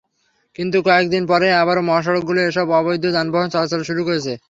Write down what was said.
কিন্তু কয়েক দিন পরই আবারও মহাসড়কগুলোতে এসব অবৈধ যানবাহন চলাচল শুরু করেছে।